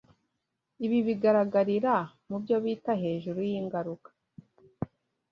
Ibi bigaragarira mubyo bita hejuru yingaruka